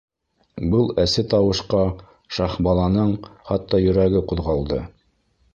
Был әсе тауышҡа Шаһбаланың хатта йөрәге ҡуҙғалды.